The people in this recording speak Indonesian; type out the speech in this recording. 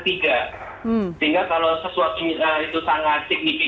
sehingga kalau sesuatu itu sangat signifikan